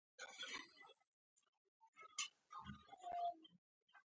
په دا ملي درد و غم راشریک څوک نه ده.